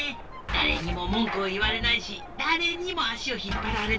だれにも文くを言われないしだれにも足を引っぱられない。